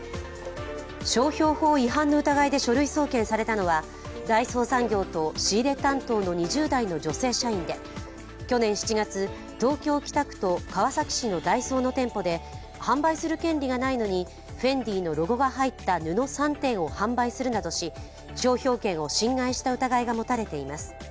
商標法違反の疑いで書類送検されたのは大創産業と仕入れ担当の２０代の女性社員で去年７月、東京・北区と川崎市のダイソーの店舗で販売する権利がないのにＦＥＮＤＩのロゴが入った布３枚を販売するなどし商標権を侵害した疑いが持たれています。